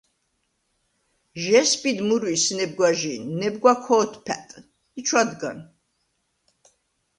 ჟესბიდ მურვისს ნებგვაჟი̄ნ, ნებგვა ქო̄თფა̈ტ ი ჩვადგან.